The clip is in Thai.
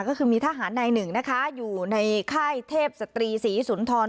ก็คือมีทหารนายหนึ่งนะคะอยู่ในค่ายเทพศตรีศรีสุนทร